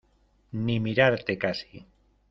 ni mirarte casi.